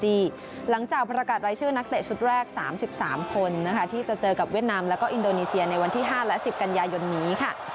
หลังจากประกาศรายชื่อนักเตะชุดแรก๓๓คนที่จะเจอกับเวียดนามแล้วก็อินโดนีเซียในวันที่๕และ๑๐กันยายนนี้ค่ะ